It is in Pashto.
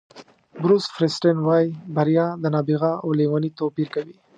بروس فیریسټن وایي بریا د نابغه او لېوني توپیر کوي.